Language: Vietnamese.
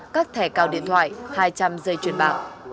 các thẻ cào điện thoại hai trăm linh dây chuyền bạc